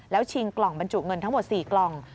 แล้วชิงกล่องบรรจุเงินทั้งหมด๔กล่อง